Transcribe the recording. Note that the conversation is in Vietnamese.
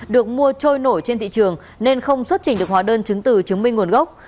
được mua trôi nổi trên thị trường nên không xuất trình được hóa đơn chứng từ chứng minh nguồn gốc